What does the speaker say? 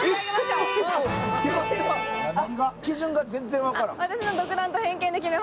基準が全然分からん。